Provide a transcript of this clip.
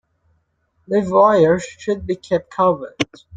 Live wires should be kept covered.